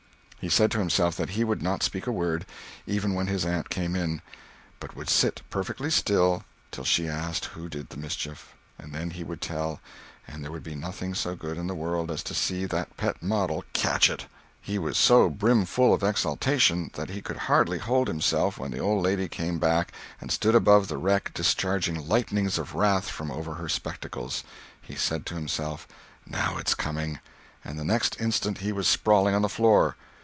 He said to himself that he would not speak a word, even when his aunt came in, but would sit perfectly still till she asked who did the mischief; and then he would tell, and there would be nothing so good in the world as to see that pet model "catch it." He was so brimful of exultation that he could hardly hold himself when the old lady came back and stood above the wreck discharging lightnings of wrath from over her spectacles. He said to himself, "Now it's coming!" And the next instant he was sprawling on the floor!